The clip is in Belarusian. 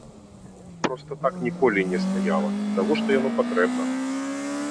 Проста так ніколі не стаяла і навошта яно патрэбна?